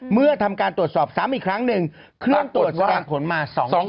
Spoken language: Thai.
เมื่อทำการตรวจสอบซ้ำอีกครั้งหนึ่งเครื่องตรวจแสดงผลมา